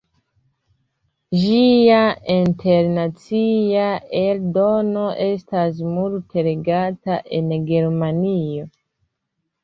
Ĝia internacia eldono estas multe legata en Germanio.